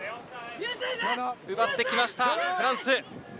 奪って来ました、フランス。